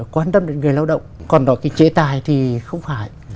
quan tâm đến người lao động còn đó cái chế tài thì không phải